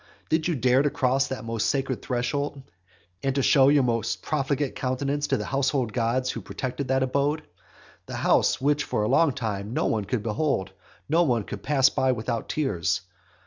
Did you dare to cross that most sacred threshold? and to show your most profligate countenance to the household gods who protect that abode? A house which for a long time no one could behold, no one could pass by without tears!